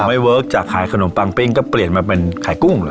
ไม่เวิร์คจากขายขนมปังปิ้งก็เปลี่ยนมาเป็นขายกุ้งเลย